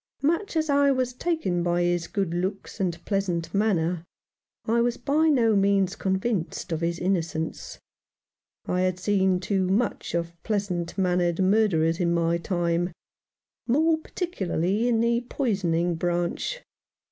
Much as I was taken by his good looks, and pleasant manner, I was by no means convinced of his innocence. I had seen too much of pleasant mannered murderers in my time, more particularly in the poisoning branch.